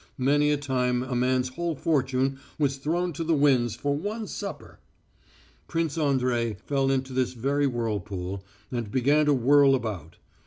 Many a time a man's whole fortune was thrown to the winds for one supper. Prince Andrey fell into this very whirlpool, and began to whirl about.